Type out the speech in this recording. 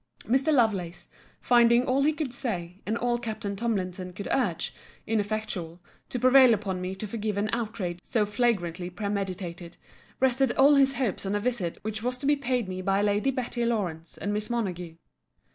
] Mr. Lovelace, finding all he could say, and all Captain Tomlinson could urge, ineffectual, to prevail upon me to forgive an outrage so flagrantly premeditated; rested all his hopes on a visit which was to be paid me by Lady Betty Lawrance and Miss Montague.